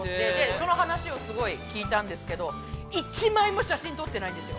◆その話をすごい聞いたんですけど、１枚も写真撮ってないんですよ。